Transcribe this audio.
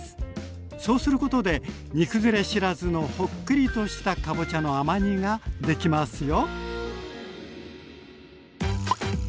そうすることで煮崩れ知らずのほっくりとしたかぼちゃの甘煮ができますよ。